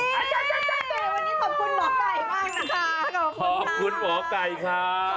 วันนี้ขอบคุณหมอไก่บ้างนะคะ